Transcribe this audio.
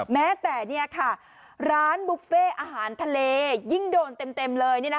แม้แต่ร้านบุฟเฟ่อาหารทะเลยิ่งโดนเต็มเลย